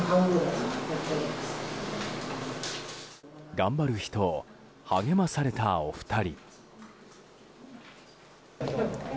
頑張る人を励まされたお二人。